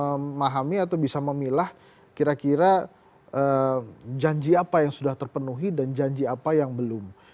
memahami atau bisa memilah kira kira janji apa yang sudah terpenuhi dan janji apa yang belum